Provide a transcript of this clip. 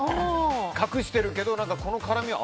隠してるけど、この絡みは。